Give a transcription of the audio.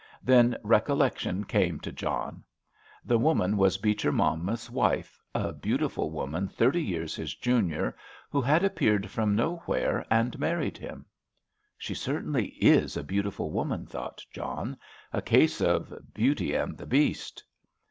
Then recollection came to John. The woman was Beecher Monmouth's wife, a beautiful woman thirty years his junior, who had appeared from nowhere and married him. "She certainly is a beautiful woman," thought John. "A case of Beauty and the Beast!"